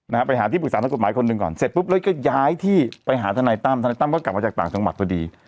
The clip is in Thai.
นะฮะไปหาที่ปรึกษาทางกฎหมายคนหนึ่งก่อนเสร็จปุ๊บแล้วก็ย้ายที่ไปหาทนายตั้มทนายตั้มก็กลับมาจากต่างจังหวัดพอดี